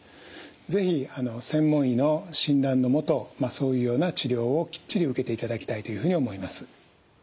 是非専門医の診断のもとそういうような治療をきっちり受けていただきたいというふうに思います。